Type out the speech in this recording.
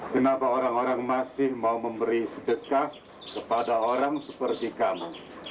kenapa orang orang masih mau memberi sedekah kepada orang seperti kamu